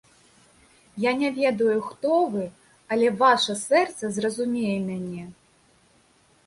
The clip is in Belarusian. Я не ведаю, хто вы, але ваша сэрца зразумее мяне.